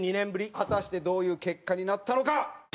果たしてどういう結果になったのか！？